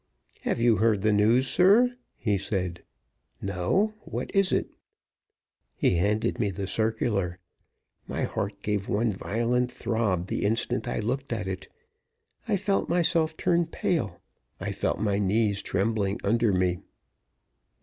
"Have you heard the news, sir?" he said. "No. What is it?" He handed me the circular. My heart gave one violent throb the instant I looked at it. I felt myself turn pale; I felt my knees trembling under me.